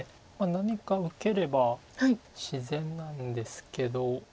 何か受ければ自然なんですけど。